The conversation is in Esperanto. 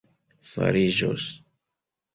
fariĝos